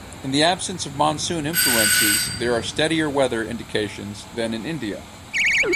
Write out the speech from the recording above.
In the absence of monsoon influences there are steadier weather indications than in India.